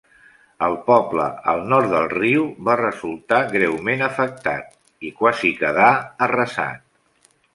El poble al nord del riu va resultar greument afectat, i quasi quedà arrasat.